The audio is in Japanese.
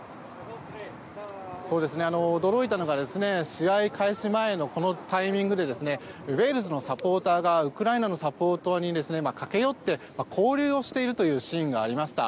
驚いたのが試合開始前のこのタイミングでウェールズのサポーターがウクライナのサポーターに駆け寄って交流をしているシーンがありました。